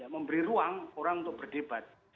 memberi ruang orang untuk berdebat